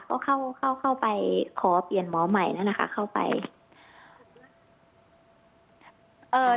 ก็เข้าไปขอเปลี่ยนหมอใหม่นะค่ะเข้าไป